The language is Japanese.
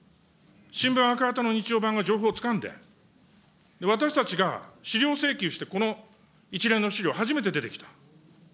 新聞赤旗の日曜版が情報をつかんで、私たちが資料請求して、この一連の資料、初めて出てきた。